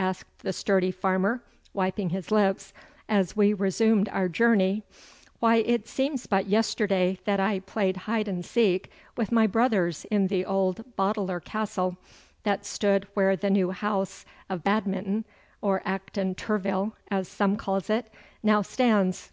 asked the sturdy farmer, wiping his lips, as we resumed our journey. 'Why, it seems but yesterday that I played hide and seek wi' my brothers in the old Boteler Castle, that stood where the new house o' Badminton, or Acton Turville, as some calls it, now stands.